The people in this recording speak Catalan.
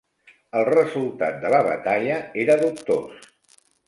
El resultat de la batalla era dubtós.